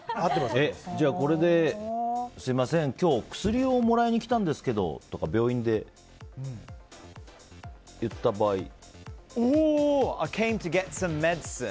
これで、すみません今日、薬をもらいに来たんですけどって病院で言った場合は。